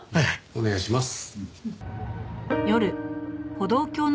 お願いします。